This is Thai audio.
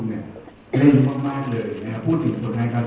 ถ้าเกิดมันมีบทที่เหมาะสมคุณจะรับไหมครับ